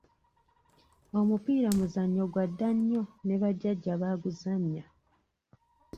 Omupiira muzannyo gwa dda nnyo ne bajjajja baaguzannya.